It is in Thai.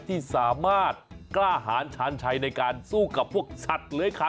ที่สามารถกล้าหารชาญชัยในการสู้กับพวกสัตว์เลื้อยขา